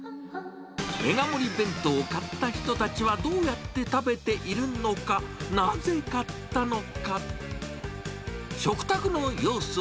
メガ盛り弁当を買った人たちはどうやって食べているのか、なぜ買ったのか。